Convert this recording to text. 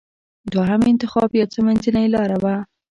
دوهم انتخاب یو څه منځۍ لاره وه.